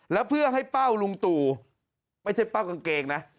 แล้วเพื่อให้เป้าลุงตู่ไม่ใช่เป้ากางเกงนะ